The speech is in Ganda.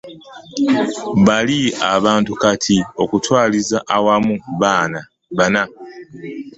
Bali abantu kati okutwaliza awamu bana.